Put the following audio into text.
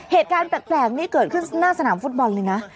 เหตุการณ์แปลกนี่เกิดขึ้นหน้าสนามฟุตบอลเลยนะ